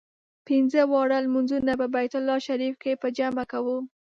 پنځه واړه لمونځونه په بیت الله شریف کې په جمع کوو.